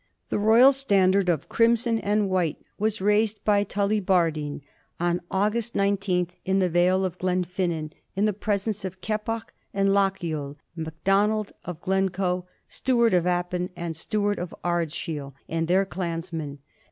The royal standard of crimson and white was raised by Tullibardine on August 19th in the vale of Glenfinnan, in the presence of Keppoch and Lochiel, Macdonald of Glen coe, Stuart of Appin, and Stuart of Ardshiel, and their clansmen.